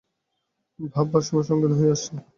ভাববার সময় সংকীর্ণ হয়ে এসেছে।